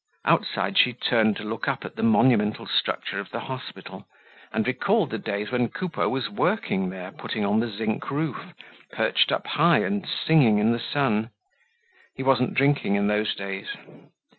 Outside, she turned to look up at the monumental structure of the hospital and recalled the days when Coupeau was working there, putting on the zinc roof, perched up high and singing in the sun. He wasn't drinking in those days.